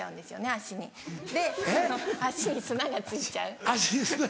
「足に砂がついちゃう」